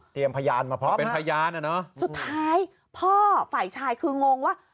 เตรียมพยานมาพร้อมฮะสุดท้ายพ่อฝ่ายชายคืองงว่า